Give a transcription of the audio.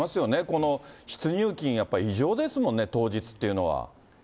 この出入金、異常ですもんね、当日というのは。